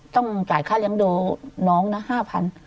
ต้องจ่ายค่าเลี้ยงดูน้องนะ๕๐๐บาท